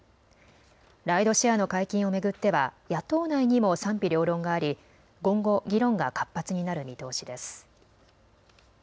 ライドシェアの解禁を巡っては野党内にも賛否両論があり、今後、議論が活発になる見通しです。